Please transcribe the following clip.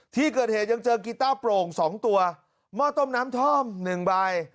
ที่เกิดเหตุยังเจอกีต้าโปร่ง๒ตัวหม้อต้มน้ำท่อม๑ใบ